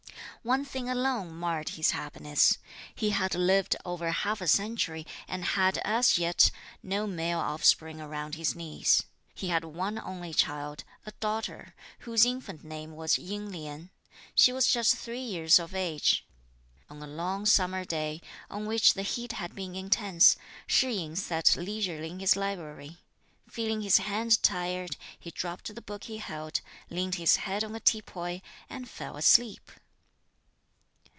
One thing alone marred his happiness. He had lived over half a century and had, as yet, no male offspring around his knees. He had one only child, a daughter, whose infant name was Ying Lien. She was just three years of age. On a long summer day, on which the heat had been intense, Shih yin sat leisurely in his library. Feeling his hand tired, he dropped the book he held, leant his head on a teapoy, and fell asleep.